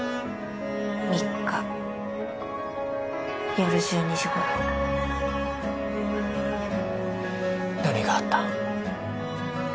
３日夜１２時頃何があった？